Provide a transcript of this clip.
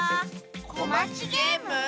こまちゲーム？